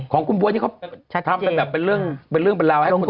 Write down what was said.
ของคุณบ๊วยนี่เขาทำเป็นเรื่องบรรลาวให้คุณตรวจ